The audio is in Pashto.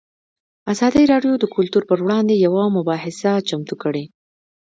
ازادي راډیو د کلتور پر وړاندې یوه مباحثه چمتو کړې.